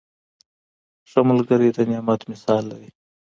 ښه ملګری د نعمت مثال لري.